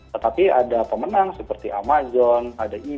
tetapi ada pemenang seperti amazon ada i